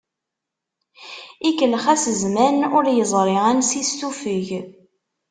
Ikellex-as zzman, ur yeẓri ansi s-tufeg.